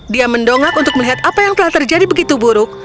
dia mendongak untuk melihat apa yang telah terjadi begitu buruk